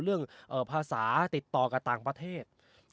เรื่องภาษาติดต่อกับต่างประเทศ